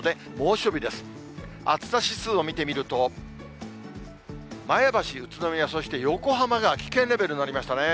暑さ指数を見てみると、前橋、宇都宮、そして横浜が危険レベルになりましたね。